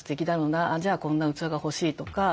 じゃあこんな器が欲しいとか。